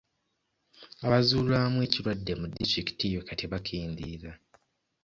Abazuulwamu ekirwadde mu disitulikiti eyo kati bakendeera.